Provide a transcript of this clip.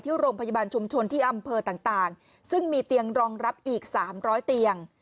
โรงพยาบาลชุมชนที่อำเภอต่างซึ่งมีเตียงรองรับอีก๓๐๐เตียง